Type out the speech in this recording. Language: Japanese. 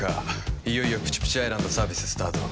いよいよ「プチプチアイランド」サービススタート